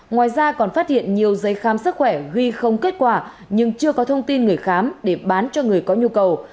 ngoài ra còn phát hiện nhiều giấy khám sức khỏe huy không kết quả nhưng chưa có thông tin người khám để bán cho người có nhu cầu